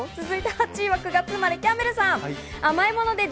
８位は９月生まれ、キャンベルさん。